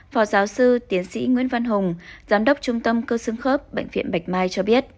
phó giáo sư tiến sĩ nguyễn văn hùng giám đốc trung tâm cơ xương khớp bệnh viện bạch mai cho biết